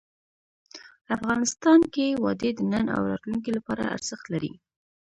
افغانستان کې وادي د نن او راتلونکي لپاره ارزښت لري.